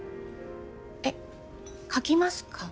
えっ「書きますか」？